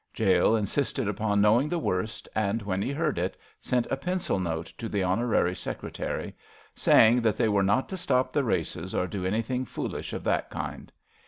Jale insisted upon knowing the worst, and when he heard it sent a pencil note to the Honorary Secretary, saying that they were not to stop the races or do anything foolish of that kind.